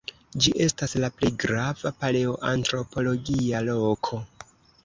Ĝi estas la plej grava paleoantropologia loko.